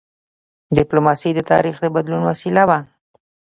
ډيپلوماسي د تاریخ د بدلون وسیله وه.